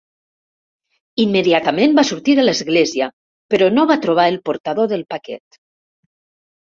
Immediatament va sortir de l'església, però no va trobar el portador del paquet.